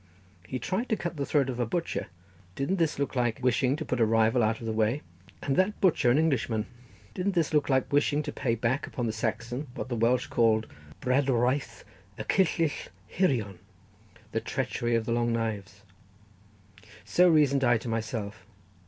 He tried to cut the throat of a butcher; didn't this look like wishing to put a rival out of the way? and that butcher an Englishman; didn't this look like wishing to pay back upon the Saxon what the Welsh call bradwriaeth y cyllyll hirion, the treachery of the long knives? So reasoned I to myself.